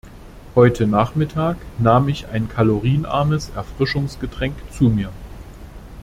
Heute Nachmittag nahm ich ein kalorienarmes Erfrischungsgetränk zu mir.